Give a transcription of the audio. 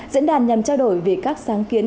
diễn đàn nhằm trao đổi về các sáng kiến